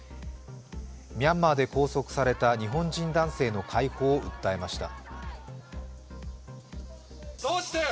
ミャンマーで拘束された日本人男性の解放を訴えました。